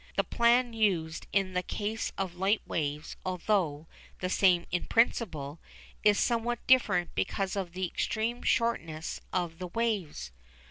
The plan used in the case of light waves, although the same in principle, is somewhat different because of the extreme shortness of the waves.